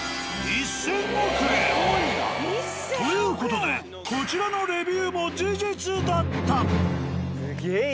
１０００億円！という事でこちらのレビューも事実だった。